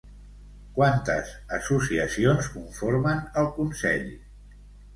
Quantes associacions conformen el consell?